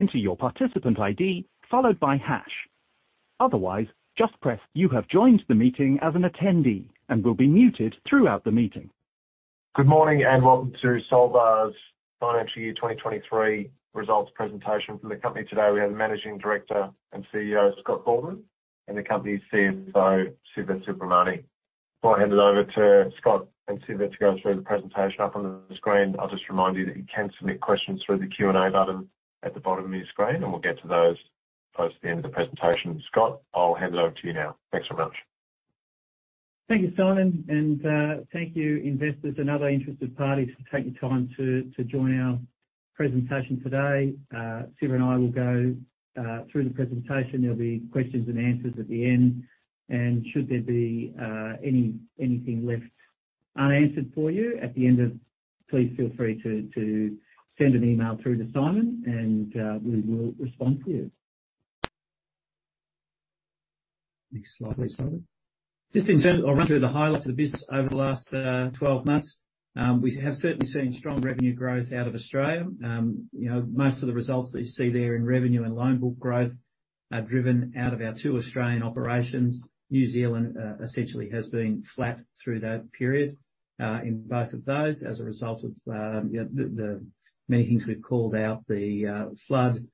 Good morning, and welcome to Solvar's Financial Year 2023 Results Presentation. From the company today, we have Managing Director and CEO, Scott Baldwin, and the company's CFO, Siva Subramani. Before I hand it over to Scott and Siva to go through the presentation up on the screen, I'll just remind you that you can submit questions through the Q&A button at the bottom of your screen, and we'll get to those towards the end of the presentation. Scott, I'll hand it over to you now. Thanks very much. Thank you, Simon, thank you, investors and other interested parties, for taking time to join our presentation today. Siva and I will go through the presentation. There'll be questions and answers at the end, and should there be anything left unanswered for you at the end of—please feel free to send an email through to Simon, and we will respond to you. Next slide, please, Simon. Just in terms, I'll run through the highlights of the business over the last 12 months. We have certainly seen strong revenue growth out of Australia. You know, most of the results that you see there in revenue and loan book growth are driven out of our two Australian operations. New Zealand, essentially has been flat through that period, in both of those, as a result of, you know, the many things we've called out: the flood,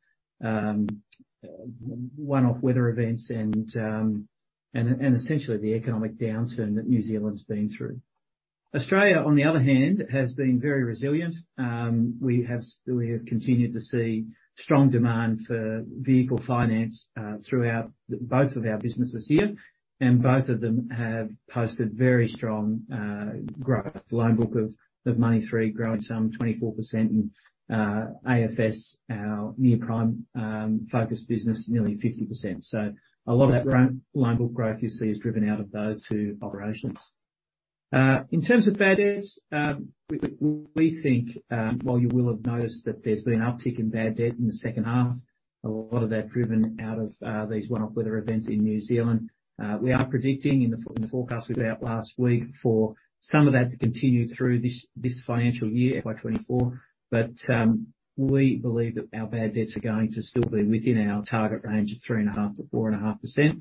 one-off weather events and, and essentially the economic downturn that New Zealand's been through. Australia, on the other hand, has been very resilient. We have continued to see strong demand for vehicle finance throughout both of our businesses here, and both of them have posted very strong growth. Loan book of, of Money3 growing some 24% and AFS, our near-prime focused business, nearly 50%. A lot of that loan book growth you see is driven out of those two operations. In terms of bad debts, we think, while you will have noticed that there's been an uptick in bad debt in the second half, a lot of that driven out of these one-off weather events in New Zealand. We are predicting in the forecast we put out last week, for some of that to continue through this, this financial year, FY2024. We believe that our bad debts are going to still be within our target range of 3.5%-4.5%.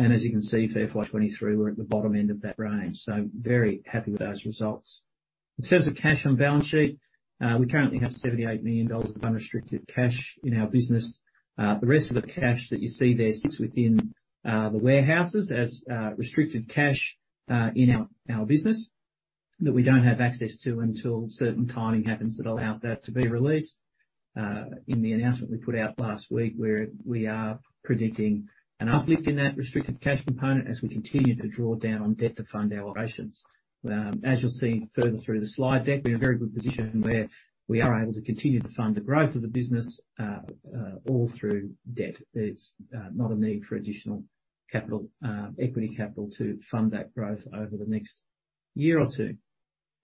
As you can see, for FY2023, we're at the bottom end of that range. Very happy with those results. In terms of cash on balance sheet, we currently have 78 million dollars of unrestricted cash in our business. The rest of the cash that you see there sits within the warehouses as restricted cash in our business, that we don't have access to until certain timing happens that allows that to be released. In the announcement we put out last week, where we are predicting an uplift in that restricted cash component as we continue to draw down on debt to fund our operations. As you'll see further through the slide deck, we're in a very good position where we are able to continue to fund the growth of the business all through debt. There's not a need for additional capital, equity capital to fund that growth over the next year or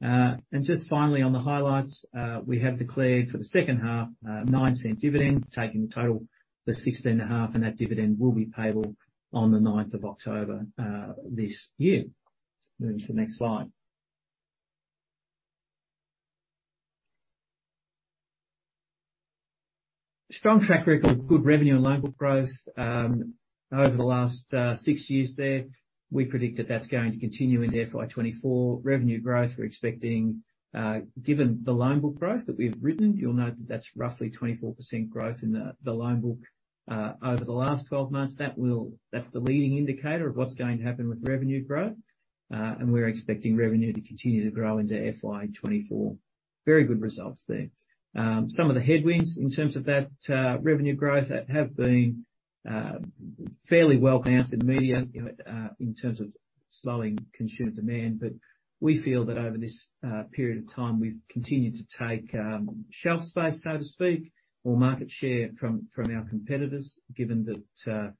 2. Just finally, on the highlights, we have declared for the second half, an 0.09 dividend, taking the total to AUD 0.165, and that dividend will be payable on the 9th of October this year. Moving to the next slide. Strong track record, good revenue and loan book growth, over the last 6 years there. We predict that that's going to continue into FY2024. Revenue growth, we're expecting, given the loan book growth that we've written, you'll note that that's roughly 24% growth in the, the loan book, over the last 12 months. That's the leading indicator of what's going to happen with revenue growth. We're expecting revenue to continue to grow into FY2024. Very good results there. Some of the headwinds in terms of that revenue growth that have been fairly well announced in the media, you know, in terms of slowing consumer demand. We feel that over this period of time, we've continued to take shelf space, so to speak, or market share from our competitors, given that the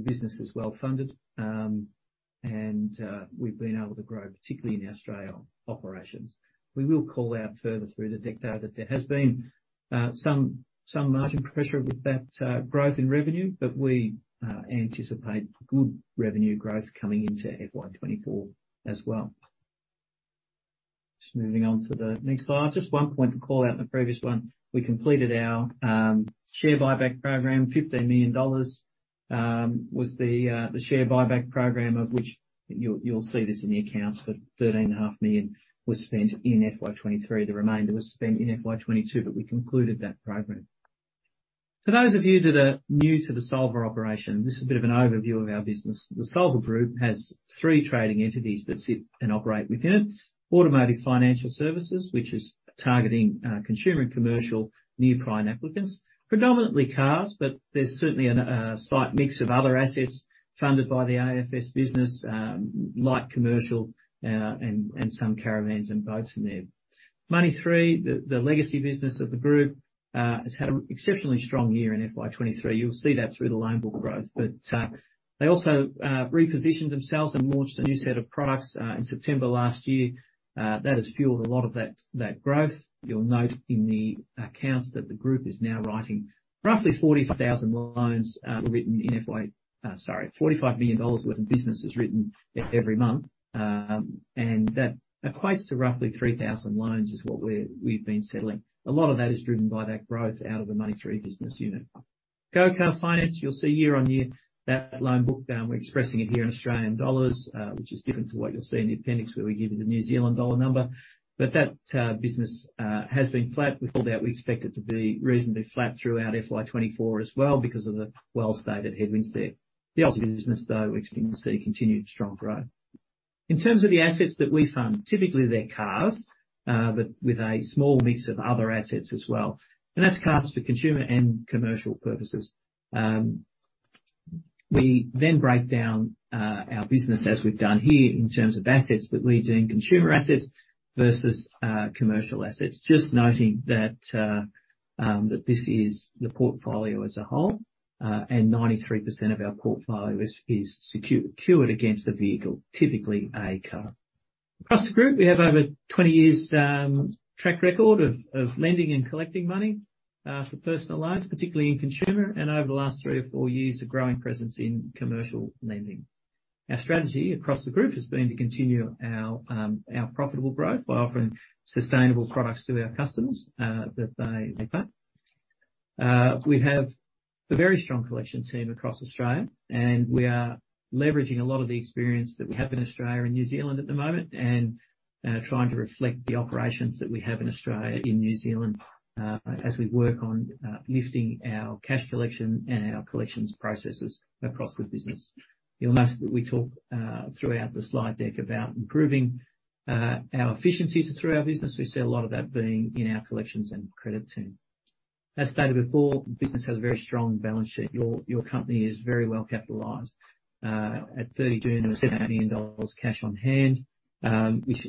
business is well-funded. We've been able to grow, particularly in our Australia operations. We will call out further through the deck, though, that there has been some margin pressure with that growth in revenue, but we anticipate good revenue growth coming into FY2024 as well. Just moving on to the next slide. Just one point to call out in the previous one, we completed our share buyback program. 15 million dollars was the share buyback program, of which you'll, you'll see this in the accounts, but 13.5 million was spent in FY2023. The remainder was spent in FY2022, but we concluded that program. For those of you that are new to the Solvar operation, this is a bit of an overview of our business. The Solvar Group has three trading entities that sit and operate within it. Automotive Financial Services, which is targeting consumer and commercial near-prime applicants. Predominantly cars, but there's certainly an slight mix of other assets funded by the AFS business, light commercial, and some caravans and boats in there. Money3, the, the legacy business of the group, has had an exceptionally strong year in FY2023. You'll see that through the loan book growth. They also repositioned themselves and launched a new set of products in September last year. That has fueled a lot of that, that growth. You'll note in the accounts that the group is now writing roughly 45,000 loans, written in FY—sorry, 45 million dollars worth of business is written every month. That equates to roughly 3,000 loans, is what we've been settling. A lot of that is driven by that growth out of the Money3 business unit. Go Car Finance, you'll see year-on-year, that loan book down, we're expressing it here in Australian dollars, which is different to what you'll see in the appendix, where we give you the New Zealand dollar number. That business has been flat. We called out, we expect it to be reasonably flat throughout FY2024 as well, because of the well-stated headwinds there. The other business, though, we expect to see continued strong growth. In terms of the assets that we fund, typically, they're cars, but with a small mix of other assets as well, and that's cars for consumer and commercial purposes. We then break down our business, as we've done here, in terms of assets, that we do in consumer assets versus commercial assets. Just noting that, that this is the portfolio as a whole, and 93% of our portfolio is secured against the vehicle, typically a car. Across the group, we have over 20 years track record of, of lending and collecting money for personal loans, particularly in consumer, and over the last 3 or 4 years, a growing presence in commercial lending. Our strategy across the group has been to continue our profitable growth by offering sustainable products to our customers that they, they buy. We have a very strong collection team across Australia, and we are leveraging a lot of the experience that we have in Australia and New Zealand at the moment, and trying to reflect the operations that we have in Australia, in New Zealand, as we work on lifting our cash collection and our collections processes across the business. You'll notice that we talk throughout the slide deck about improving our efficiencies through our business. We see a lot of that being in our collections and credit team. As stated before, the business has a very strong balance sheet. Your company is very well capitalized. At 30 June, there was 70 million dollars cash on hand, which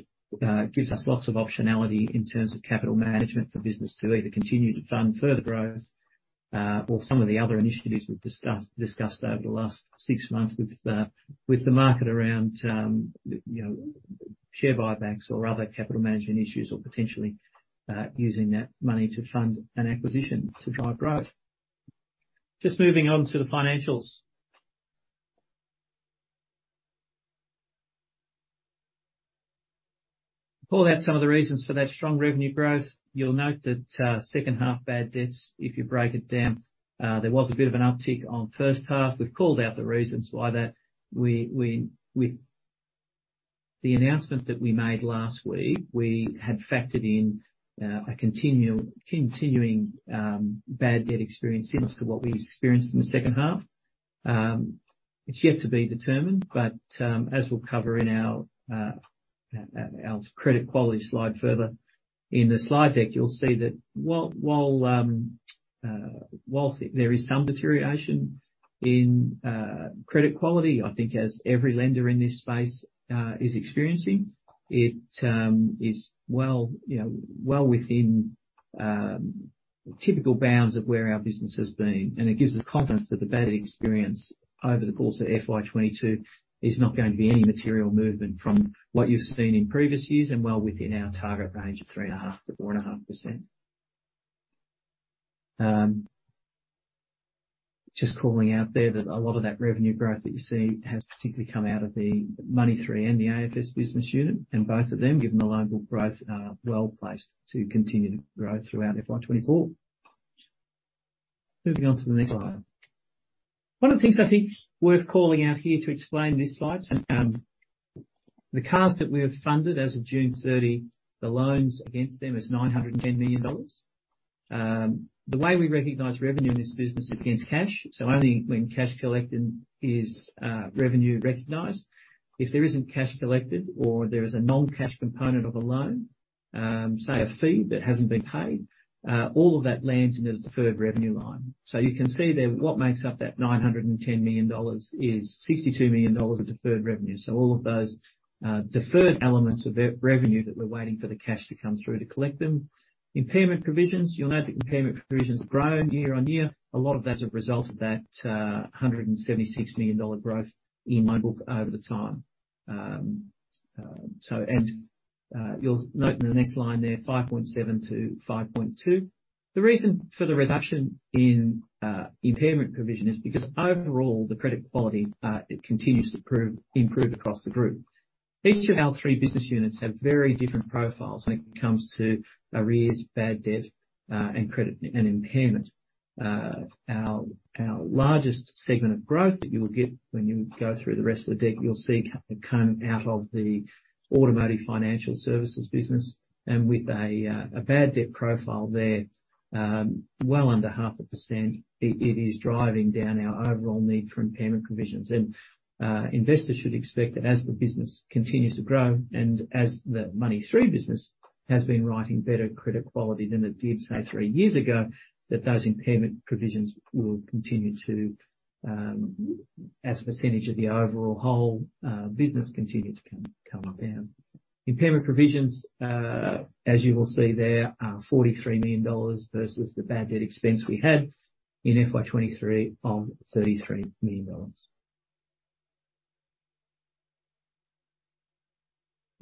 gives us lots of optionality in terms of capital management for business to either continue to fund further growth, or some of the other initiatives we've discussed over the last 6 months with the market around, you know, share buybacks or other capital management issues, or potentially using that money to fund an acquisition to drive growth. Just moving on to the financials. Called out some of the reasons for that strong revenue growth. You'll note that second half bad debts, if you break it down, there was a bit of an uptick on first half. We've called out the reasons why, with the announcement that we made last week, we had factored in a continual, continuing, bad debt experience similar to what we experienced in the second half. It's yet to be determined, but as we'll cover in our credit quality slide, further in the slide deck, you'll see that while, while there is some deterioration in credit quality, I think as every lender in this space is experiencing, it is well, you know, well within typical bounds of where our business has been. It gives us confidence that the bad experience over the course of FY2022 is not going to be any material movement from what you've seen in previous years and well within our target range of 3.5%-4.5%. Just calling out there that a lot of that revenue growth that you see has particularly come out of the Money3 and the AFS business unit, and both of them, given the loan book growth, are well placed to continue to grow throughout FY2024. Moving on to the next slide. One of the things I think worth calling out here to explain this slide, the cars that we have funded as of June 30, the loans against them is 910 million dollars. The way we recognize revenue in this business is against cash, so only when cash collected is revenue recognized. If there isn't cash collected or there is a non-cash component of a loan, say, a fee that hasn't been paid, all of that lands in the deferred revenue line. You can see there, what makes up that 910 million dollars is 62 million dollars of deferred revenue. All of those deferred elements of revenue that we're waiting for the cash to come through to collect them. Impairment provisions, you'll note that impairment provisions grown year on year. A lot of that's a result of that 176 million dollar growth in loan book over the time. And, you'll note in the next line there, 5.7 to 5.2. The reason for the reduction in impairment provision is because overall, the credit quality, it continues to improve across the group. Each of our three business units have very different profiles when it comes to arrears, bad debt, and credit, and impairment. Our, our largest segment of growth that you will get when you go through the rest of the deck, you'll see coming out of the automotive financial services business. With a bad debt profile there, well under 0.5%, it is driving down our overall need for impairment provisions. Investors should expect that as the business continues to grow, and as the Money3 business has been writing better credit quality than it did, say, three years ago, that those impairment provisions will continue to, as a percentage of the overall whole business, continue to come down. Impairment provisions, as you will see there, are $43 million versus the bad debt expense we had in FY2023 of $33 million.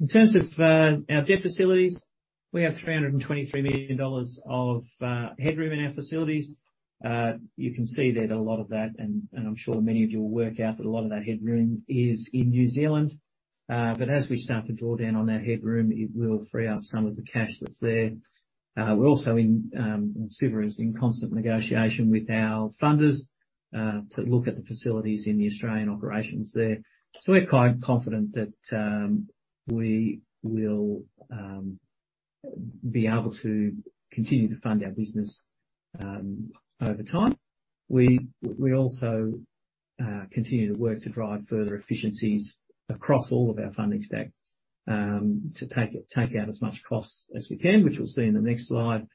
In terms of our debt facilities, we have $323 million of headroom in our facilities. You can see that a lot of that, and I'm sure many of you will work out, that a lot of that headroom is in New Zealand, but as we start to draw down on our headroom, it will free up some of the cash that's there. We're also in Siva is in constant negotiation with our funders to look at the facilities in the Australian operations there. We're quite confident that we will be able to continue to fund our business over time. We, we also continue to work to drive further efficiencies across all of our funding stacks to take out as much costs as we can, which you'll see in the next slide,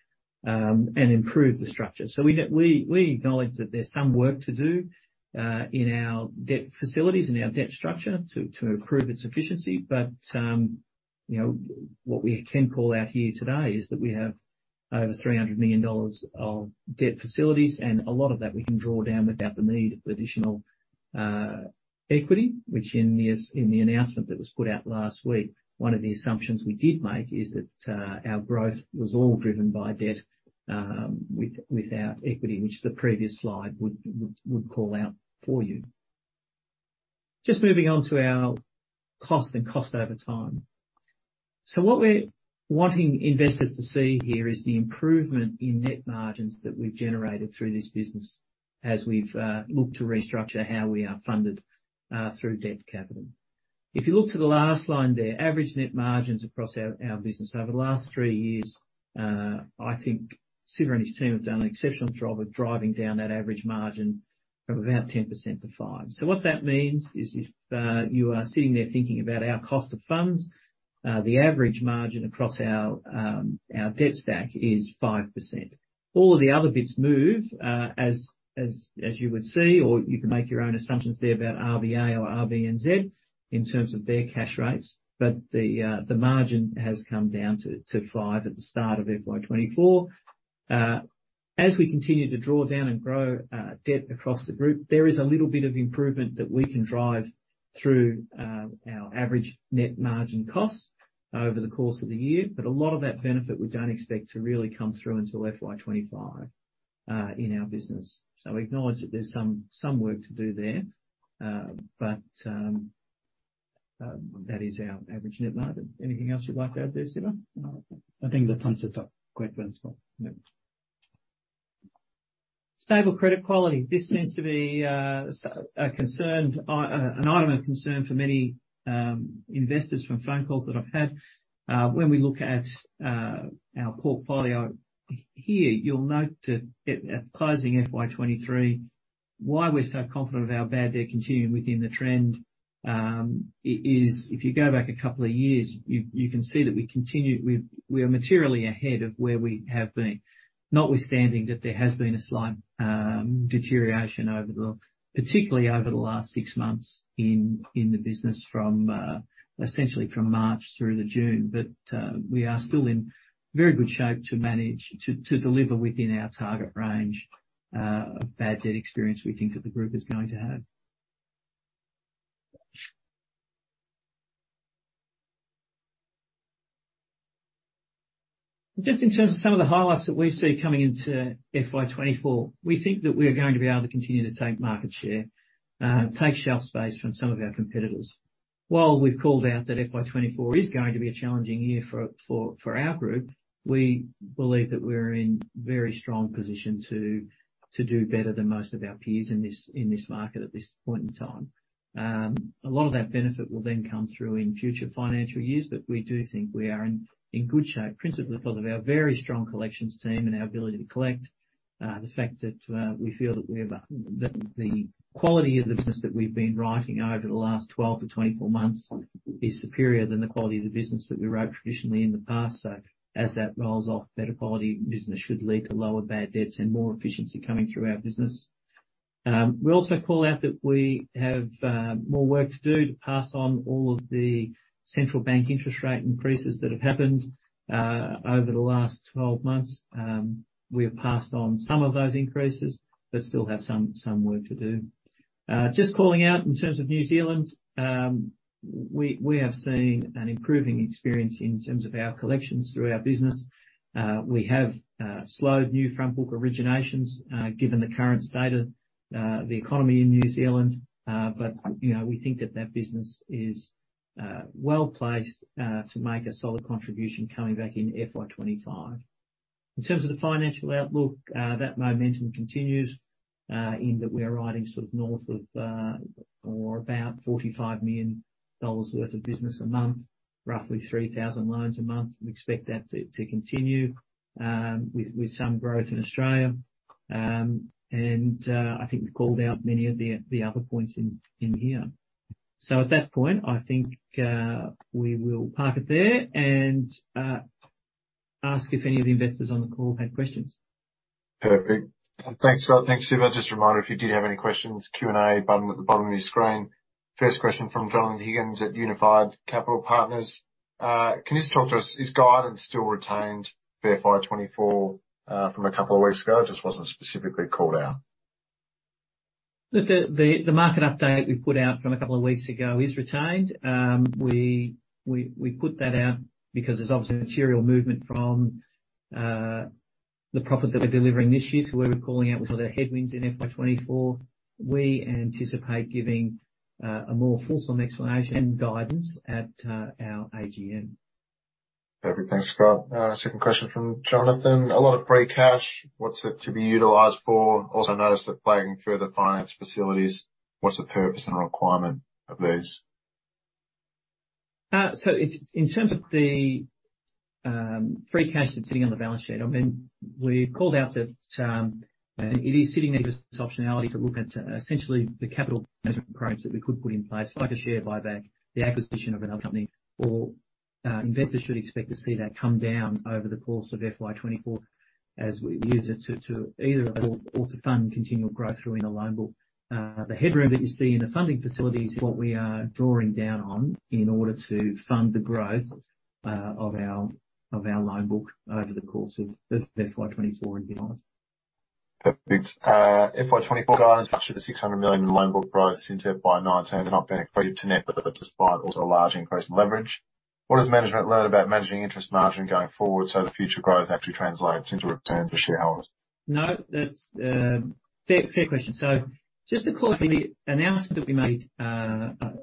and improve the structure. We, we acknowledge that there's some work to do in our debt facilities and our debt structure to, to improve its efficiency. You know, what we can call out here today is that we have over 300 million dollars of debt facilities, and a lot of that we can draw down without the need of additional equity, which in the announcement that was put out last week, one of the assumptions we did make is that our growth was all driven by debt, without equity, which the previous slide would call out for you. Just moving on to our cost and cost over time. What we're wanting investors to see here is the improvement in net margins that we've generated through this business as we've looked to restructure how we are funded through debt capital. If you look to the last line there, average net margins across our, our business over the last 3 years, I think Siva and his team have done an exceptional job of driving down that average margin from about 10% to 5%. What that means is, if you are sitting there thinking about our cost of funds, the average margin across our debt stack is 5%. All of the other bits move, as, as, as you would see, or you can make your own assumptions there about RBA or RBNZ in terms of their cash rates, but the margin has come down to 5% at the start of FY2024. As we continue to draw down and grow debt across the group, there is a little bit of improvement that we can drive through our average net margin costs over the course of the year. A lot of that benefit, we don't expect to really come through until FY2025 in our business. We acknowledge that there's some, some work to do there, but that is our average net margin. Anything else you'd like to add there, Siva? I think that answers that quite well, Scott. Yeah. Stable credit quality. This seems to be a concern, an item of concern for many investors from phone calls that I've had. When we look at our portfolio here, you'll note that at, at closing FY2023, why we're so confident of our bad debt continuing within the trend, is if you go back a couple of years, you, you can see that we've, we are materially ahead of where we have been. Notwithstanding that, there has been a slight deterioration particularly over the last 6 months in, in the business from, essentially from March through to June. We are still in very good shape to manage, to deliver within our target range of bad debt experience we think that the group is going to have. Just in terms of some of the highlights that we see coming into FY2024, we think that we are going to be able to continue to take market share, take shelf space from some of our competitors. While we've called out that FY2024 is going to be a challenging year for our group, we believe that we're in very strong position to do better than most of our peers in this, in this market at this point in time. A lot of that benefit will then come through in future financial years, but we do think we are in good shape, principally because of our very strong collections team and our ability to collect. The fact that we feel that we have, that the quality of the business that we've been writing over the last 12 to 24 months is superior than the quality of the business that we wrote traditionally in the past. As that rolls off, better quality business should lead to lower bad debts and more efficiency coming through our business. We also call out that we have more work to do to pass on all of the central bank interest rate increases that have happened over the last 12 months. We have passed on some of those increases, but still have some, some work to do. Just calling out in terms of New Zealand, we have seen an improving experience in terms of our collections through our business. We have slowed new front book originations, given the current state of the economy in New Zealand. You know, we think that that business is well-placed to make a solid contribution coming back in FY2025. In terms of the financial outlook, that momentum continues in that we are riding sort of north of, or about AUD 45 million worth of business a month, roughly 3,000 loans a month. We expect that to continue with some growth in Australia. I think we've called out many of the other points in here. At that point, I think we will park it there and ask if any of the investors on the call had questions. Perfect. Thanks, Scott. Thanks, Siva. Just a reminder, if you did have any questions, Q&A button at the bottom of your screen. First question from Jonathon Higgins at Unified Capital Partners. Can you just talk to us, is guidance still retained for FY2024, from a couple of weeks ago, it just wasn't specifically called out? The market update we put out from a couple of weeks ago is retained. We put that out because there's obviously material movement from the profit that we're delivering this year to where we're calling out with all the headwinds in FY2024, we anticipate giving a more fulsome explanation and guidance at our AGM. Perfect. Thanks, Scott. second question from Jonathon. A lot of free cash, what's it to be utilized for? Also noticed that flagging further finance facilities, what's the purpose and requirement of these? It's in terms of the free cash that's sitting on the balance sheet, I mean, we've called out that it is sitting there as optionality to look at essentially the capital management approach that we could put in place, like a share buyback, the acquisition of another company, or investors should expect to see that come down over the course of FY2024 as we use it to either or, or to fund continual growth through in the loan book. The headroom that you see in the funding facilities is what we are drawing down on in order to fund the growth of our, of our loan book over the course of FY2024 and beyond. Perfect. FY2024 guidance, actually, the 600 million in loan book growth since FY2019 are not being accreted to net, but despite also a large increase in leverage. What has management learned about managing interest margin going forward so future growth actually translates into returns to shareholders? No, that's fair, fair question. Just to quickly, the announcement that we made a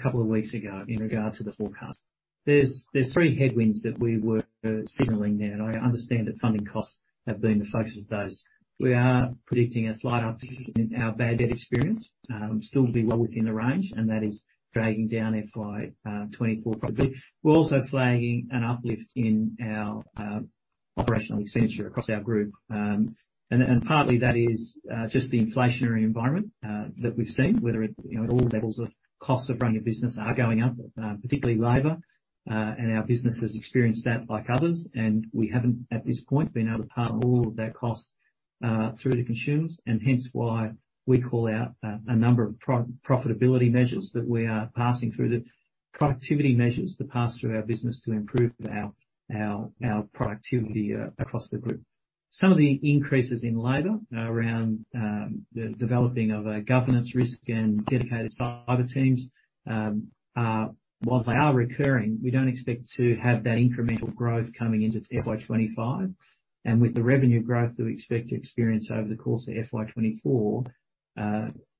couple of weeks ago in regard to the forecast. There's 3 headwinds that we were signaling there, and I understand that funding costs have been the focus of those. We are predicting a slight uptick in our bad debt experience. Still be well within the range, and that is dragging down FY2024 profit. We're also flagging an uplift in our operational expenditure across our group. Partly that is just the inflationary environment that we've seen, whether it, you know, at all levels of costs of running a business are going up, particularly labor. Our business has experienced that like others, and we haven't, at this point, been able to pass on all of that cost through to consumers, and hence why we call out a number of pro-profitability measures that we are passing through, the productivity measures to pass through our business to improve our, our, our productivity across the group. Some of the increases in labor around the developing of a governance risk and dedicated cyber teams, while they are recurring, we don't expect to have that incremental growth coming into FY2025. With the revenue growth that we expect to experience over the course of FY2024,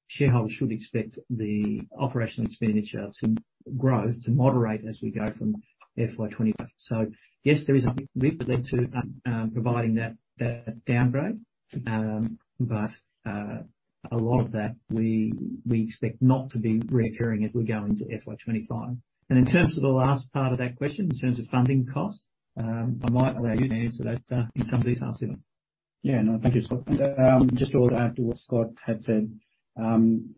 shareholders should expect the operational expenditure to grow, to moderate as we go from FY2025. Yes, there is a big lift that led to providing that, that downgrade, but a lot of that we expect not to be reoccurring as we go into FY2025. In terms of the last part of that question, in terms of funding costs, I might allow you to answer that in some detail, Siva. Yeah, no, thank you, Scott. Just to add to what Scott had said, the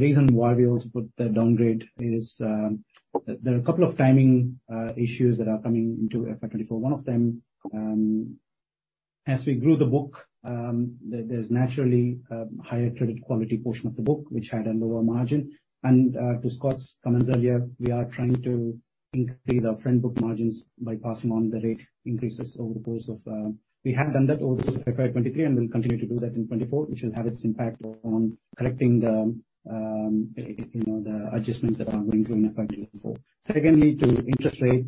reason why we also put the downgrade is, there are a couple of timing issues that are coming into FY2024. One of them, as we grew the book, there, there's naturally a higher credit quality portion of the book, which had a lower margin. To Scott's comments earlier, we are trying to increase our front book margins by passing on the rate increases over the course of—we have done that over FY2023, and we'll continue to do that in 24, which will have its impact on correcting the, you know, the adjustments that are going to in FY2024. Secondly, to interest rate,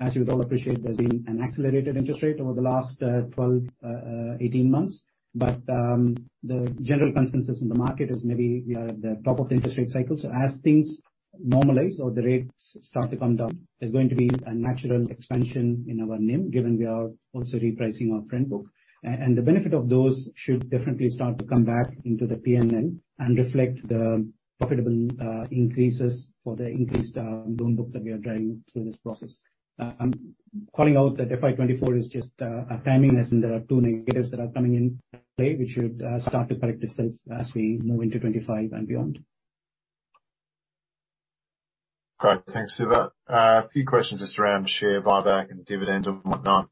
as you would all appreciate, there's been an accelerated interest rate over the last 12, 18 months. The general consensus in the market is maybe we are at the top of the interest rate cycle. As things normalize or the rates start to come down, there's going to be a natural expansion in our NIM, given we are also repricing our front book. The benefit of those should definitely start to come back into the P&L and reflect the profitable increases for the increased loan book that we are driving through this process. Calling out that FY2024 is just a timing, as in there are 2 negatives that are coming in play, which should start to correct itself as we move into 2025 and beyond. Great. Thanks, Siva. A few questions just around share buyback and dividends and whatnot.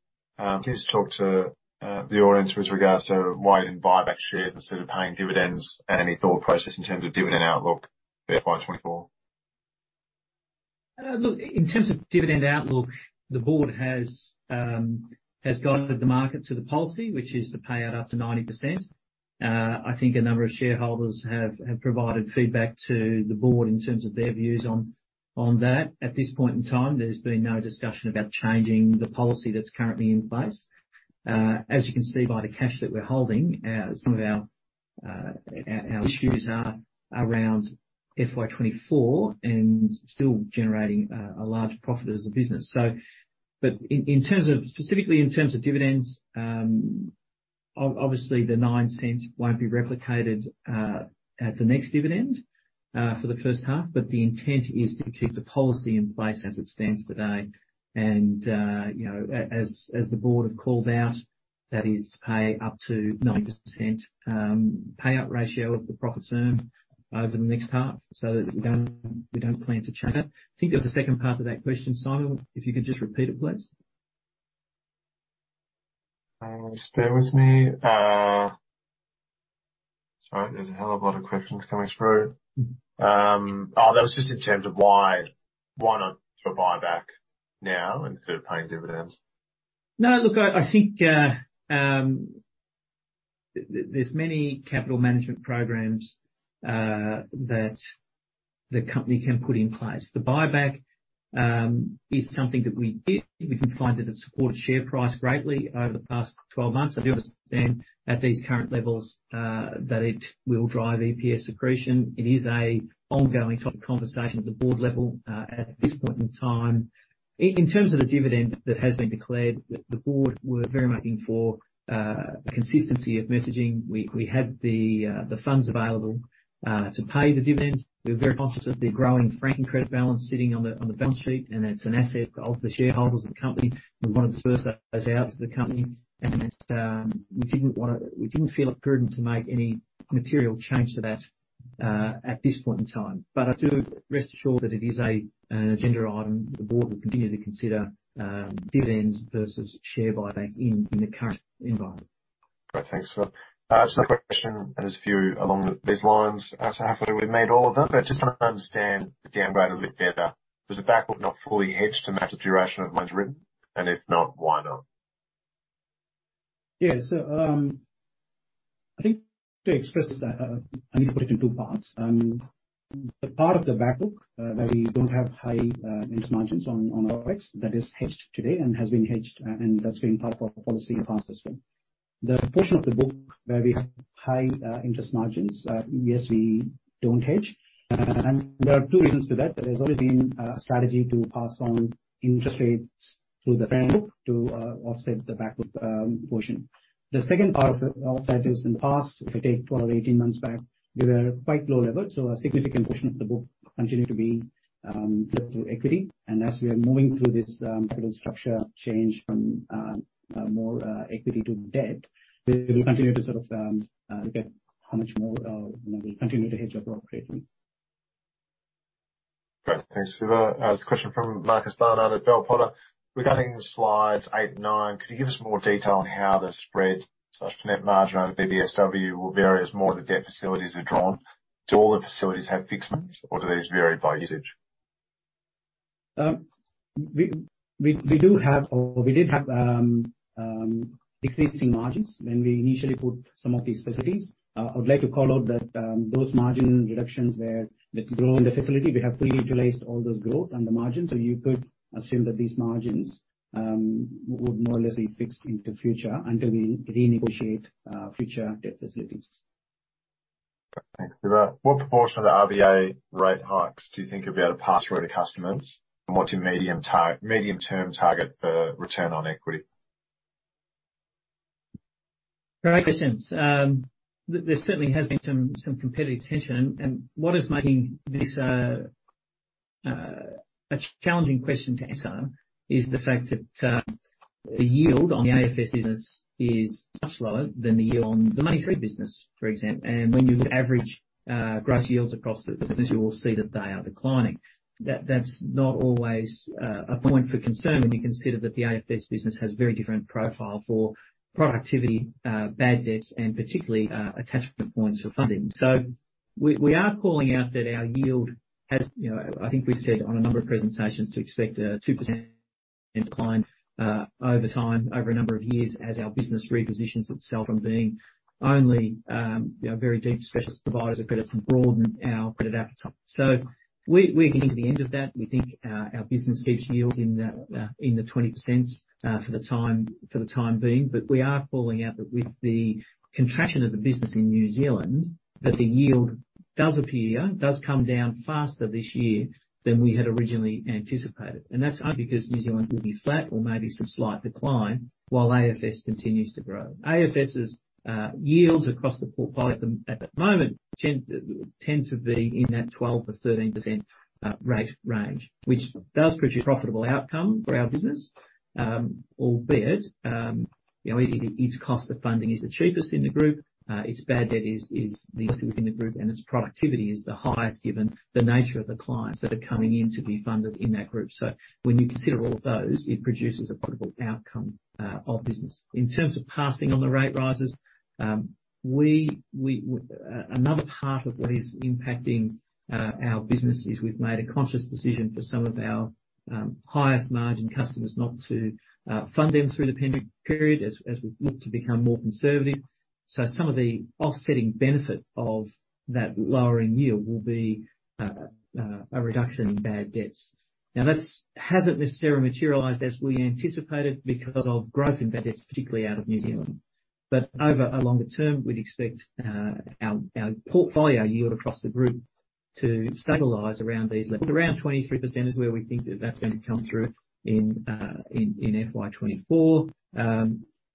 Please talk to the audience with regards to why you didn't buy back shares instead of paying dividends, and any thought process in terms of dividend outlook FY2024. Look, in terms of dividend outlook, the Board has guided the market to the policy, which is to pay out up to 90%. I think a number of shareholders have provided feedback to the Board in terms of their views on that. At this point in time, there's been no discussion about changing the policy that's currently in place. As you can see by the cash that we're holding, some of our issues are around FY2024 and still generating a large profit as a business. But specifically in terms of dividends, obviously, the 0.09 won't be replicated at the next dividend for the first half, but the intent is to keep the policy in place as it stands today. You know, as, as, as the Board have called out, that is to pay up to 90% payout ratio of the profits earned over the next half, so that we don't, we don't plan to change that. I think there was a second part to that question, Simon, if you could just repeat it, please. Bear with me. Sorry, there's a hell of a lot of questions coming through. Oh, that was just in terms of why, why not do a buyback now instead of paying dividends? No, look, I think, there's many capital management programs that the company can put in place. The buyback is something that we did. We can find that it supported share price greatly over the past 12 months. I do understand at these current levels that it will drive EPS accretion. It is an ongoing topic of conversation at the Board level at this point in time. In terms of the dividend that has been declared, the Board were very much looking for consistency of messaging. We had the funds available to pay the dividend. We're very conscious of the growing franking credit balance sitting on the balance sheet, and it's an asset of the shareholders of the company. We wanted to disperse those out to the company, and, we didn't feel it prudent to make any material change to that at this point in time. Rest assured that it is an agenda item. The Board will continue to consider dividends versus share buyback in, in the current environment. Great. Thanks, Scott. Just a question and this view along these lines. I'm happy to have made all of them, but I just want to understand the downgrade a little bit better. Was the back book not fully hedged to match the duration of money written? If not, why not? Yes. I think to express that, I need to put it in two parts. The part of the backbook, where we don't have high interest margins on OpEx, that is hedged today and has been hedged, and that's been part of our policy in the past as well. The portion of the book where we have high interest margins, yes, we don't hedge. There are two reasons for that. There has always been a strategy to pass on interest rates through the front book to offset the backbook portion. The second part of the offset is, in the past, if you take 12 or 18 months back, we were at quite low levels, so a significant portion of the book continued to be through equity. As we are moving through this, credit structure change from more equity to debt, we will continue to sort of look at how much more, we'll continue to hedge appropriately. Great. Thank you, Siva. A question from Marcus Barnard at Bell Potter. Regarding slides 8 and 9, could you give us more detail on how the spread/net margin over BBSW will vary as more of the debt facilities are drawn? Do all the facilities have fixed margins, or do these vary by usage? We, we, we do have, or we did have, decreasing margins when we initially put some of these facilities. I would like to call out that those margin reductions were with growth in the facility. We have preutilized all those growth and the margins, so you could assume that these margins would more or less be fixed into the future until we renegotiate future debt facilities. Thanks, Siva. What proportion of the RBA rate hikes do you think you'll be able to pass through to customers, and what's your medium medium-term target for return on equity? Great questions. There certainly has been some, some competitive tension, and what is making this a challenging question to answer is the fact that the yield on the AFS business is much lower than the yield on the Money3 business, for example. When you average gross yields across the business, you will see that they are declining. That's not always a point for concern when you consider that the AFS business has a very different profile for productivity, bad debts, and particularly, attachment points for funding. We are calling out that our yield has— You know, I think we said on a number of presentations to expect a 2% decline over time, over a number of years, as our business repositions itself from being only a very deep specialist provider of credit to broaden our credit appetite. We, we're getting to the end of that. We think our business keeps yields in the 20% for the time, for the time being. We are calling out that with the contraction of the business in New Zealand, that the yield does appear, does come down faster this year than we had originally anticipated. That's only because New Zealand will be flat or maybe some slight decline while AFS continues to grow. AFS's yields across the portfolio at the moment tend to be in that 12%-13% rate range, which does produce profitable outcome for our business. Albeit, you know, its cost of funding is the cheapest in the group, its bad debt is the least in the group, and its productivity is the highest, given the nature of the clients that are coming in to be funded in that group. When you consider all of those, it produces a profitable outcome of business. In terms of passing on the rate rises, Another part of what is impacting our business is we've made a conscious decision for some of our highest margin customers not to fund them through the lending period as, as we look to become more conservative. Some of the offsetting benefit of that lowering yield will be a reduction in bad debts. That hasn't necessarily materialized as we anticipated because of growth in bad debts, particularly out of New Zealand. Over a longer term, we'd expect our portfolio yield across the group to stabilize around these levels. Around 23% is where we think that that's going to come through in FY2024.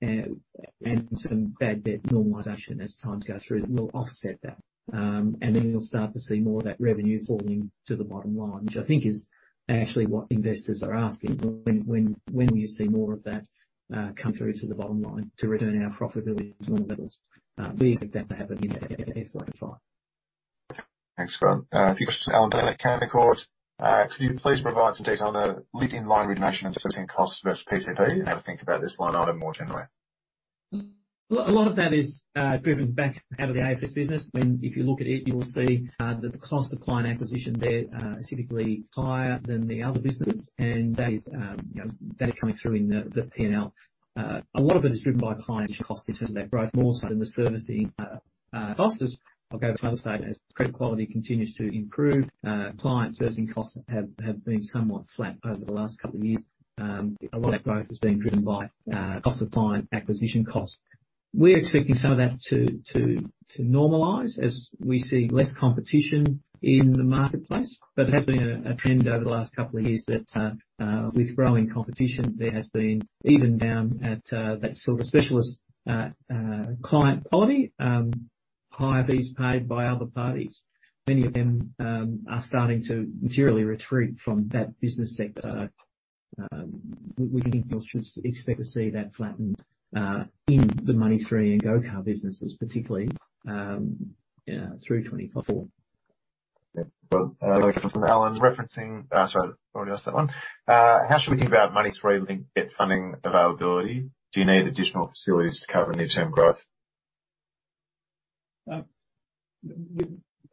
And some bad debt normalization as times go through will offset that. Then you'll start to see more of that revenue falling to the bottom line, which I think is actually what investors are asking, when you see more of that come through to the bottom line to return our profitability to normal levels. We expect that to happen in FY2025. Thanks, Scott. A few questions from Alan Dana at Canaccord. Could you please provide some detail on the lending line remediation and assessing costs versus PCP, and how to think about this line item more generally? Well, a lot of that is driven back out of the AFS business. When, if you look at it, you will see that the cost of client acquisition there is typically higher than the other businesses, and that is, you know, that is coming through in the the P&L. A lot of it is driven by client acquisition in terms of that growth, more so than the servicing costs. I'll go to the other side, as credit quality continues to improve, client servicing costs have been somewhat flat over the last couple of years. A lot of growth has been driven by cost of client acquisition costs. We're expecting some of that to, to, to normalize as we see less competition in the marketplace. It has been a, a trend over the last couple of years that, with growing competition, there has been even down at that sort of specialist client quality, higher fees paid by other parties. Many of them are starting to materially retreat from that business sector. We think you should expect to see that flattened in the Money3 and Go Car businesses, particularly, yeah, through 2024. Yeah. Well, Alan, referencing—sorry, I already asked that one. How should we think about Money3-linked debt funding availability? Do you need additional facilities to cover near-term growth?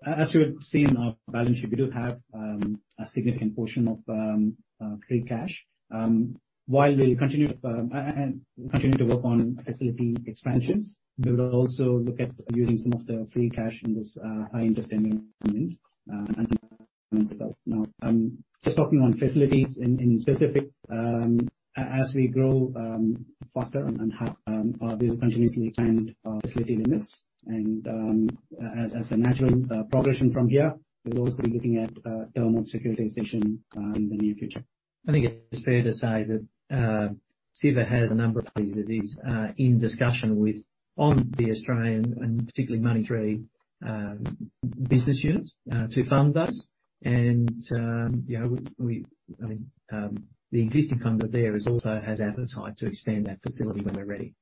As you have seen in our balance sheet, we do have a significant portion of free cash. While we'll continue and continue to work on facility expansions, we will also look at using some of the free cash in this high interest environment. Just talking on facilities in specific, as we grow faster and have, we've continuously expand our facility limits. As a natural progression from here, we're also looking at term securitization in the near future. I think it's fair to say that Siva has a number of things that he's in discussion with, on the Australian and particularly Money3 business units, to fund those. You know, we, we, I mean, the existing fund that there is also has appetite to expand that facility when we're ready.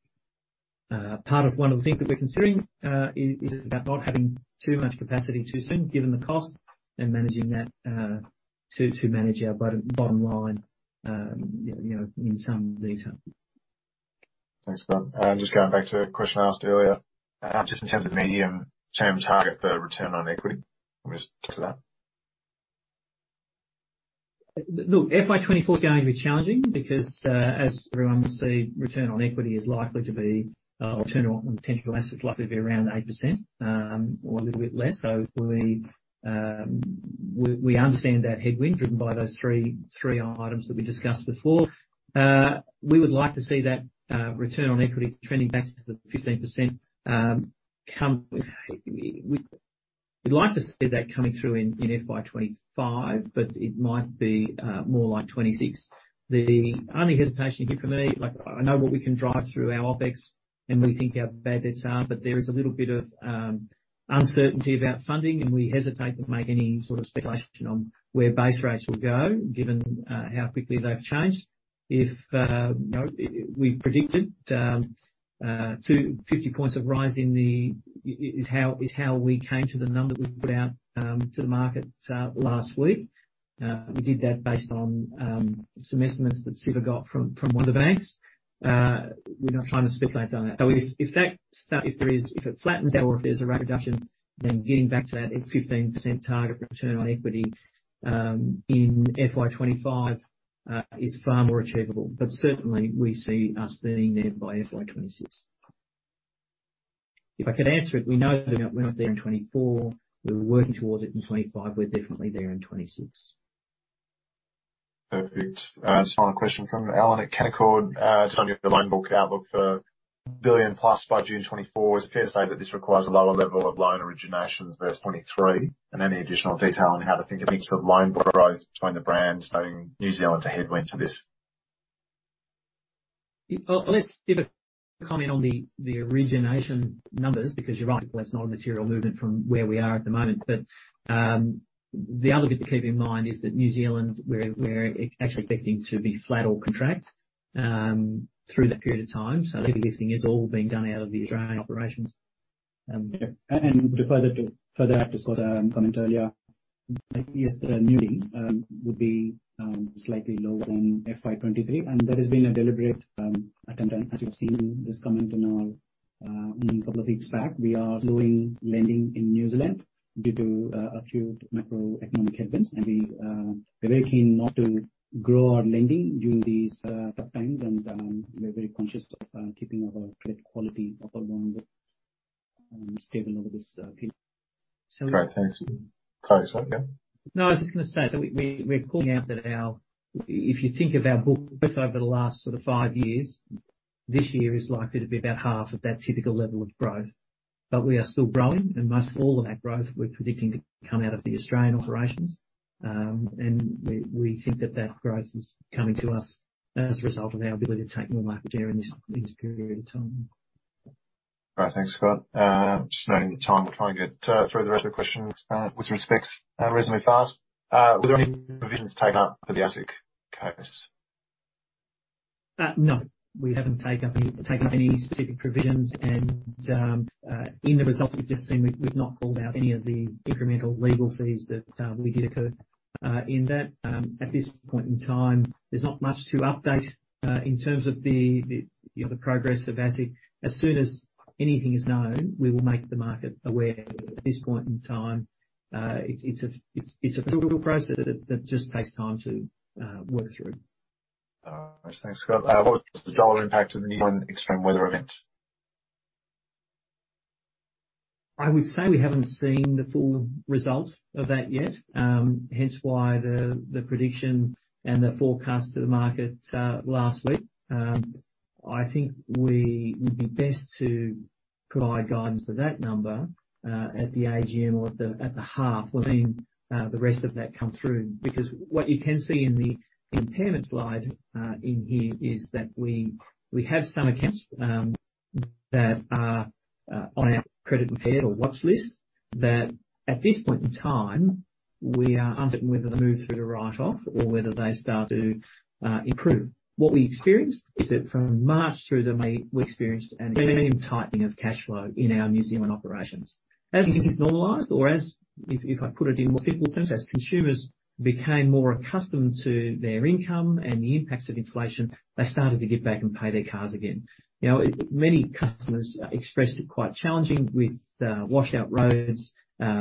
Part of one of the things that we're considering is, is about not having too much capacity too soon, given the cost, and managing that to, to manage our bottom, bottom line, you know, in some detail. Thanks, Scott. Just going back to a question I asked earlier, just in terms of medium-term target for return on equity, just get to that. Look, FY2024 is going to be challenging because, as everyone will see, return on equity is likely to be, return on potential assets is likely to be around 8%, or a little bit less. We understand that headwind, driven by those 3, 3 items that we discussed before. We would like to see that return on equity trending back to the 15%. We'd like to see that coming through in FY2025, but it might be more like FY2026. The only hesitation here for me, like, I know what we can drive through our OpEx, and we think our bad debts are, but there is a little bit of uncertainty about funding, and we hesitate to make any sort of speculation on where base rates will go, given how quickly they've changed. If, you know, we've predicted 50 points of rise in the—is how, is how we came to the number that we put out to the market last week. We did that based on some estimates that Siva got from, from one of the banks. We're not trying to speculate on that. If it flattens out or if there's a rate reduction, then getting back to that 15% target return on equity in FY2025 is far more achievable. Certainly, we see us being there by FY2026. If I could answer it, we know we're not there in FY2024. We're working towards it in FY2025. We're definitely there in FY2026. Perfect. Just final question from Alan at Canaccord. Turning to the loan book outlook for 1 billion+ by June 2024, is it fair to say that this requires a lower level of loan originations versus 2023? Any additional detail on how to think of any sort of loan growth between the brands, noting New Zealand's a headwind to this. Let's give a comment on the, the origination numbers, because you're right, that's not a material movement from where we are at the moment. The other bit to keep in mind is that New Zealand, we're, we're actually expecting to be flat or contract through that period of time. Leasing is all being done out of the Australian operations. Further after Scott comment earlier, yes, the new lending would be slightly lower than FY2023, and that has been a deliberate attempt, as you've seen in this comment in our in a couple of weeks back. We are slowing lending in New Zealand due to a few macroeconomic headwinds, and we we're very keen not to grow our lending during these tough times, and we're very conscious of keeping our credit quality up on one stable over this period. Great. Thanks. Sorry, Scott, yeah? I was just gonna say, we, we're calling out that if you think of our book over the last sort of five years, this year is likely to be about half of that typical level of growth. We are still growing, and most all of that growth, we're predicting to come out of the Australian operations. We, we think that that growth is coming to us as a result of our ability to take more market share in this, in this period of time. All right, thanks, Scott. Just noting the time, we'll try and get through the rest of the questions with respects reasonably fast. Were there any provisions taken up for the ASIC case? No. We haven't taken up, taken up any specific provisions. In the results we've just seen, we've, we've not called out any of the incremental legal fees that we did accrue in that. At this point in time, there's not much to update in terms of the, the, you know, the progress of ASIC. As soon as anything is known, we will make the market aware. At this point in time, it's, it's a, it's, it's a approval process that, that just takes time to work through. Thanks, Scott. What's the dollar impact of the New Zealand extreme weather event? I would say we haven't seen the full result of that yet. Hence why the prediction and the forecast to the market last week. I think we would be best to provide guidance to that number at the AGM or at the half, when the rest of that comes through. Because what you can see in the impairment slide in here, is that we have some accounts that are on our credit repair or watch list, that at this point in time, we are uncertain whether to move through to write-off or whether they start to improve. What we experienced is that from March through to May, we experienced an tightening of cash flow in our New Zealand operations. As this is normalized, or if I put it in more simple terms, as consumers became more accustomed to their income and the impacts of inflation, they started to get back and pay their cars again. You know, many customers expressed it quite challenging with washed out roads,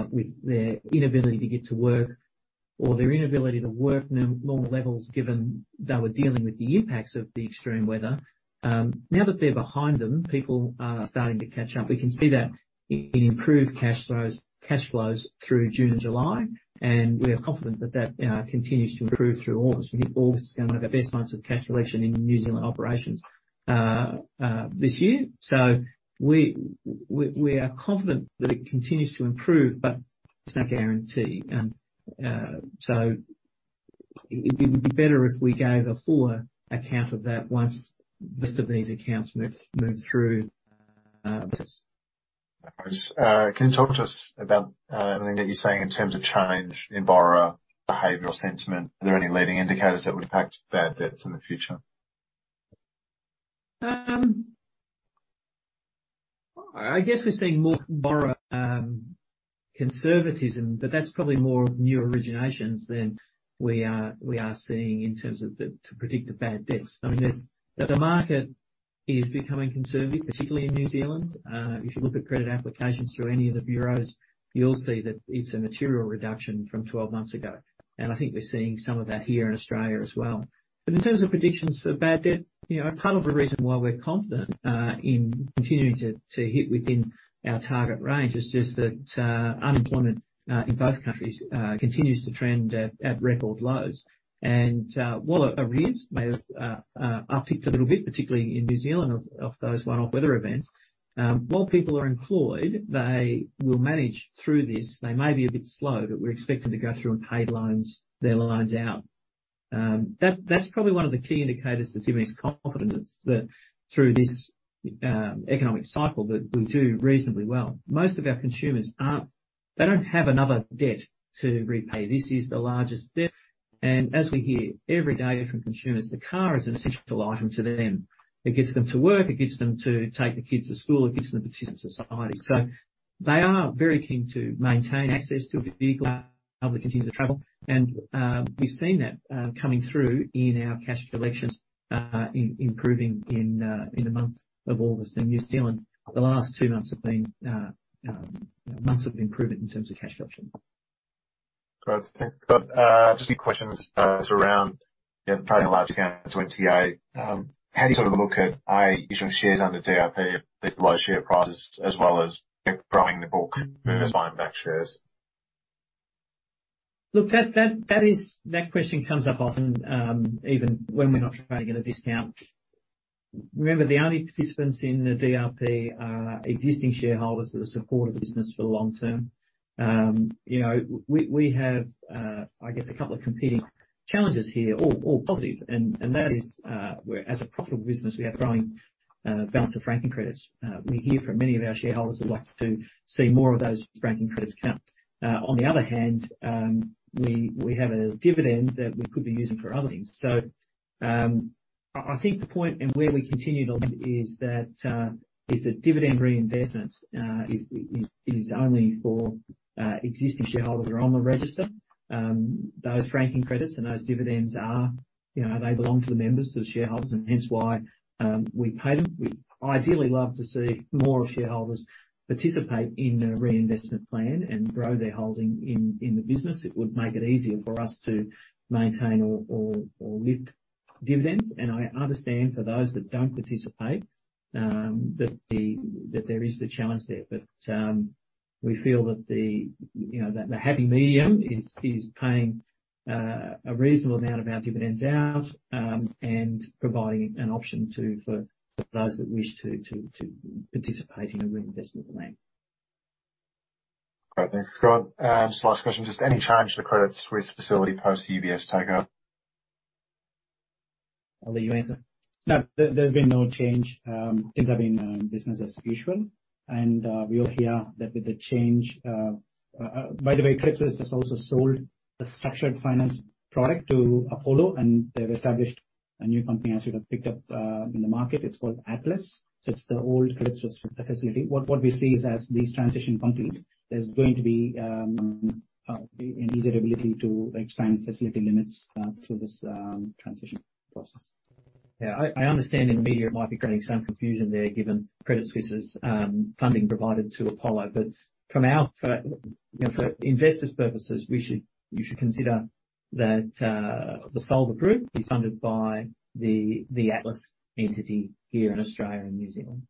with their inability to get to work, or their inability to work normal levels, given they were dealing with the impacts of the extreme weather. Now that they're behind them, people are starting to catch up. We can see that in improved cash flows, cash flows through June and July, and we are confident that that continues to improve through August. We think August is going to be one of our best months of cash collection in New Zealand operations this year. We are confident that it continues to improve, but it's not a guarantee. It would be better if we gave a fuller account of that once most of these accounts move through. Can you talk to us about anything that you're seeing in terms of change in borrower behavior or sentiment? Are there any leading indicators that would impact bad debts in the future? I guess we're seeing more borrower conservatism, but that's probably more of new originations than we are, we are seeing in terms of to predict the bad debts. I mean, the market is becoming conservative, particularly in New Zealand. If you look at credit applications through any of the bureaus, you'll see that it's a material reduction from 12 months ago. I think we're seeing some of that here in Australia as well. In terms of predictions for bad debt, you know, part of the reason why we're confident in continuing to, to hit within our target range is just that unemployment in both countries continues to trend at record lows. While arrears may have upticked a little bit, particularly in New Zealand, of, of those one-off weather events, while people are employed, they will manage through this. They may be a bit slow, but we're expecting to go through and pay loans, their loans out. That, that's probably one of the key indicators that gives me confidence that through this economic cycle, that we'll do reasonably well. Most of our consumers aren't. They don't have another debt to repay. This is the largest debt, as we hear every day from consumers, the car is an essential item to them. It gets them to work, it gets them to take the kids to school, it gets them to participate in society. They are very keen to maintain access to a vehicle, to be able to continue to travel. We've seen that coming through in our cash collections, improving in the month of August. In New Zealand, the last two months have been months of improvement in terms of cash collection. Great. Thanks, Scott. Just a few questions around the large discount to NTA. How do you sort of look at issuing shares under DRP at these low share prices, as well as growing the book versus buying back shares? Look, that question comes up often, even when we're not trying to get a discount. Remember, the only participants in the DRP are existing shareholders that support the business for the long term. You know, we have, I guess, a couple of competing challenges here, all, all positive, and that is, as a profitable business, we have growing balance of franking credits. We hear from many of our shareholders who'd like to see more of those franking credits count. On the other hand, we have a dividend that we could be using for other things. I think the point and where we continue to look is that dividend reinvestment is only for existing shareholders who are on the register. Those franking credits and those dividends are, you know, they belong to the members, to the shareholders, and hence why, we pay them. We ideally love to see more shareholders participate in the reinvestment plan and grow their holding in, in the business. It would make it easier for us to maintain or, or, or lift dividends. I understand for those that don't participate, that the, that there is the challenge there. We feel that the, you know, that the happy medium is, is paying, a reasonable amount of our dividends out, and providing an option to-- for those that wish to, to, to participate in a reinvestment plan. Great. Thanks, Scott. Just last question. Just any change to the Credit Suisse facility post the UBS takeover? I'll let you answer. No, there, there's been no change. things have been business as usual. We all hear that with the change. By the way, Credit Suisse has also sold the structured finance product to Apollo, and they've established a new company, as you have picked up in the market. It's called Atlas. It's the old Credit Suisse facility. What we see is, as these transition complete, there's going to be an easier ability to expand facility limits through this transition process. Yeah, I understand in the media it might be creating some confusion there, given Credit Suisse's funding provided to Apollo, but for, you know, for investors' purposes, you should consider that the Solvar Group is funded by the Atlas entity here in Australia and New Zealand.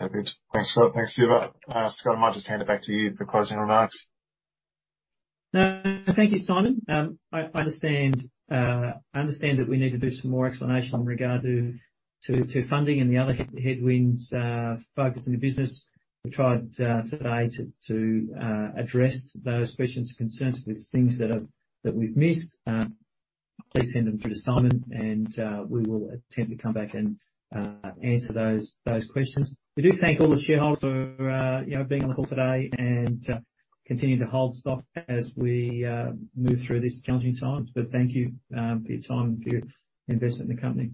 Okay. Thanks, Scott. Thanks, Siva. Scott, I might just hand it back to you for closing remarks. Thank you, Simon. I understand that we need to do some more explanation in regard to funding and the other headwinds focus in the business. We tried today to address those questions and concerns. If there's things that we've missed, please send them through to Simon, and we will attempt to come back and answer those questions. We do thank all the shareholders for, you know, being on the call today, and continuing to hold stock as we move through this challenging time. Thank you for your time and for your investment in the company.